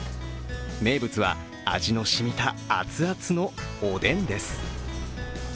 名物は味のしみた熱々のおでんです。